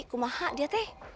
kumaha dia teh